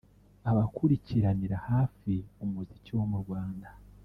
Abakurikiranira hafi umuziki wo mu Rwanda